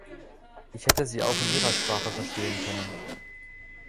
Ich hätte sie auch in Ihrer Sprache verstehen können.